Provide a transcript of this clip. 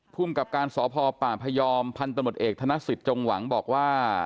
ภูมิกับการสพป่าพยอมพันธมตเอกธนสิทธิจงหวังบอกว่า